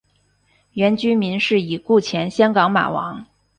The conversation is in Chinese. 原居民是已故前香港马王。